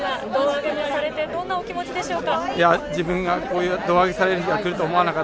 胴上げもされて、どんなお気持ちでしょうか？